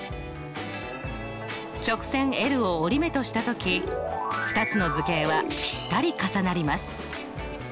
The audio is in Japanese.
直線を折り目としたとき２つの図形はぴったり重なります。